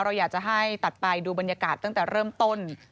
เราอยากจะให้ตัดไปดูบรรยากาศตั้งแต่เริ่มต้น